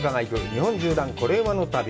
日本縦断コレうまの旅」。